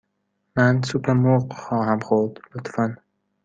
من سوپ مرغ خواهم خورد، لطفاً.